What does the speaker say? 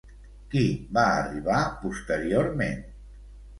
Qui va arribar posteriorment?